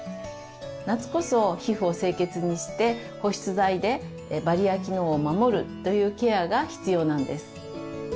夏こそ皮膚を清潔にして保湿剤でバリア機能を守るというケアが必要なんです。